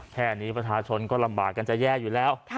แค่นี้ประชาชนก็ลำบากกันจะแย่อยู่แล้ว